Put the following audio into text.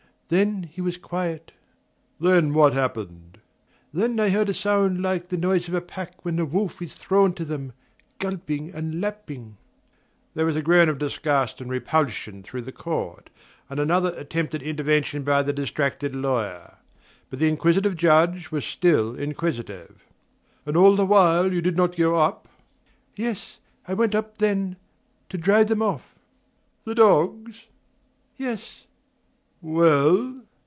Then he was quiet." "Then what happened?" "Then I heard a sound like the noise of a pack when the wolf is thrown to them gulping and lapping." (There was a groan of disgust and repulsion through the court, and another attempted intervention by the distracted lawyer. But the inquisitive Judge was still inquisitive.) "And all the while you did not go up?" "Yes I went up then to drive them off." "The dogs?" "Yes." "Well